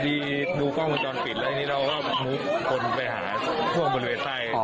พอดีดูกล้องมุมจรปิดแล้วเราก็มุมคนไปหาช่วงบนเวทไทย